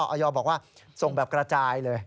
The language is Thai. อยบอกว่าส่งแบบกระจายเลย